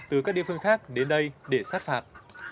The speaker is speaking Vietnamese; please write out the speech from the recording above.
từ các địa phương khác đến đây để sát phạt